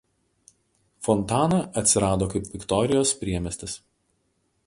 Fontana atsirado kaip Viktorijos priemiestis.